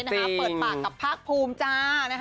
เปิดปากกับภาคภูมิจ้า